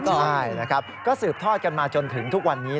ใช่นะครับก็สืบทอดกันมาจนถึงทุกวันนี้